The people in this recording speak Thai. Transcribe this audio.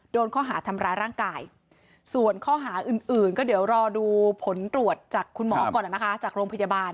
โดนข้อหาทำร้ายร่างกายส่วนข้อหาอื่นก็เดี๋ยวรอดูผลตรวจจากคุณหมอก่อนนะคะจากโรงพยาบาล